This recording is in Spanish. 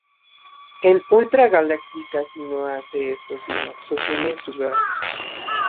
En Ultra Galaxy casi no hace eso sino sostiene sus brazos.